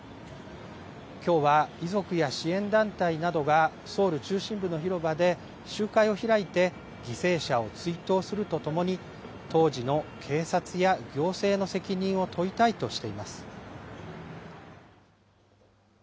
きょうは遺族や支援団体などが、ソウル中心部の広場で集会を開いて、犠牲者を追悼するとともに、当時の警察や行政の責任を問いたいとしています。